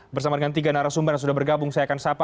bersama dengan tiga narasumber yang sudah bergabung saya akan sapa